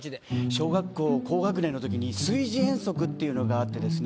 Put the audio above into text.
小学校高学年の時に炊事遠足っていうのがあってですね